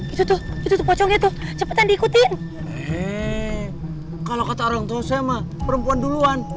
itu tuh itu tuh cepetan diikuti kalau kata orangtua sama perempuan duluan